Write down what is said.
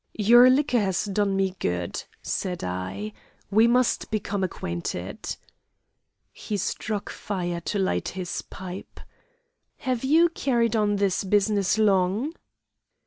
"'Your liquor has done me good,' said I. 'We must become acquainted.' "He struck fire to light his pipe. "'Have you carried on this business long?